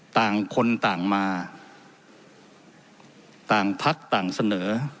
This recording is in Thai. ต่างคนต่างมาต่างพักต่างเสนอ